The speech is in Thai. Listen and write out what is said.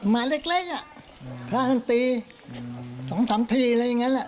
มาเล็กอ่ะพระหันตีสองสามทีอะไรอย่างเงี้ยแหละ